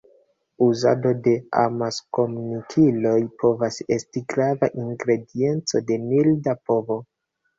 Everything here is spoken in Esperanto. Uzado de amaskomunikiloj povas esti grava ingredienco de milda povo.